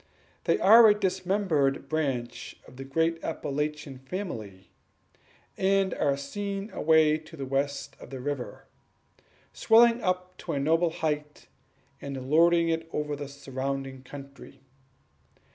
They are a dismembered branch of the great Appalachian family, and are seen away to the west of the river, swelling up to a noble height, and lording it over the surrounding country.